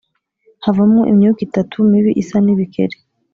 havamwo imyuka itatu mibi isa n’ibikeri,